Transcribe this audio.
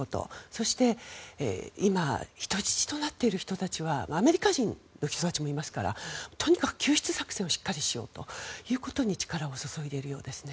そして今人質となっている人たちはアメリカ人の人たちもいますからとにかく救出作戦をしっかりしようということに力を注いでいるようですね。